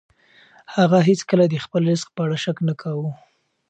هغه هیڅکله د خپل رزق په اړه شک نه کاوه.